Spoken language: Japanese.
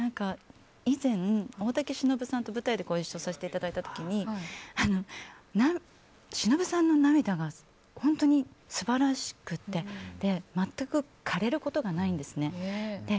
以前、大竹しのぶさんと舞台でご一緒させていただいた時しのぶさんの涙が本当に素晴らしくて全く枯れることがないんですね。